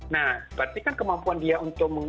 nah berarti kan kemampuan dia untuk